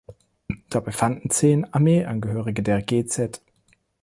Dabei fanden zehn Armeeangehörige der Gz.